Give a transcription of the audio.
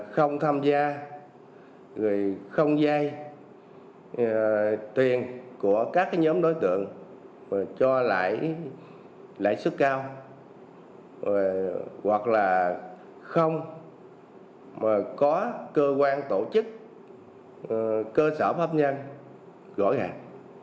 không tham gia không dây tiền của các nhóm đối tượng cho lại sức cao hoặc là không có cơ quan tổ chức cơ sở pháp nhân gõ hàng